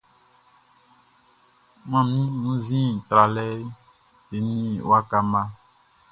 Manmi wunnzin tralɛ eni waka mma.